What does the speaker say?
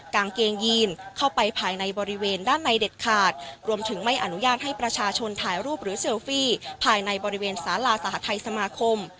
กางเกงยีนเข้าไปภายในบริเวณด้านในเด็ดขาดรวมถึงไม่อนุญาตให้ประชาชนถ่ายรูปหรือเซลฟี่ภายในบริเวณสาลาสหทัยสมาคม